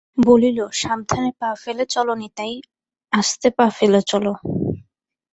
বলিল, সাবধানে পা ফেলে চলো নিতাই, আন্তে পা ফেলে চলো।